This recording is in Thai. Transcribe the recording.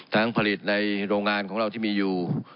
ผลิตในโรงงานของเราที่มีอยู่